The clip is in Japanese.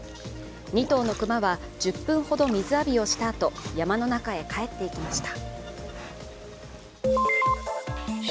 ２頭のクマは１０分ほど水浴びをした後山の中に帰って行きました。